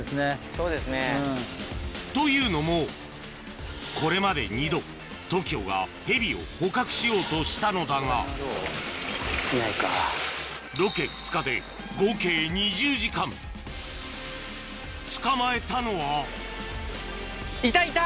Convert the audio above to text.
そうですね。というのもこれまで２度ＴＯＫＩＯがヘビを捕獲しようとしたのだがロケ２日で捕まえたのはいたいた！